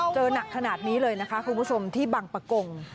หนักขนาดนี้เลยนะคะคุณผู้ชมที่บังปะกง